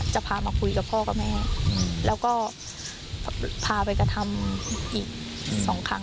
จะพามาคุยกับพ่อกับแม่แล้วก็พาไปกระทำอีกสองครั้ง